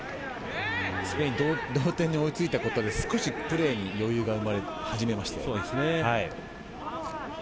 スペインは同点に追いついたことで少しプレーに余裕が生まれ始めました。